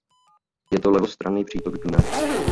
Je to levostranný přítok Dunaje.